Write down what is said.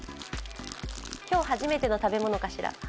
今日初めての食べ物かしら？